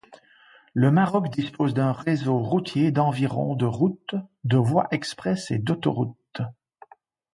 Le Maroc dispose d’un réseau routier d’environ de routes, de voies express et d'autoroutes.